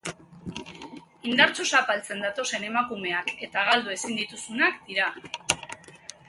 Indartsu zapaltzen datozen emakumeak eta galdu ezin dituzunak dira!